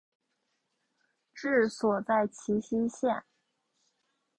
治所在齐熙县。